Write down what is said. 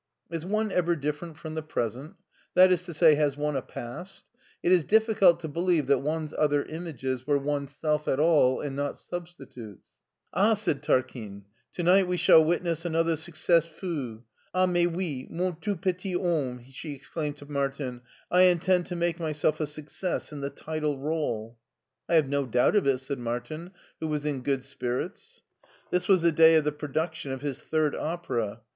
Is one ever different from the present; that is to say, has one a past ? It is difficult to believe that one's other images were oneself at all and not substitutes. "Ah" said Tarquine, "to night we shall witness another succis fou! Ah, mats out, mon tout p'tit homme" she exclaimed to Martin, " I intend to make myself a success in the title role." " I have no doubt of it," said Martin, who was in good spirits. This was the day of the production of his third opera.